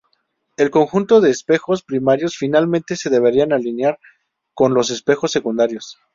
El conjunto de espejos primarios finalmente se deberán alinear con los espejos secundarios.